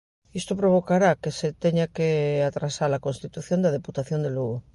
Isto provocará que se teña que atrasar a constitución da Deputación de Lugo.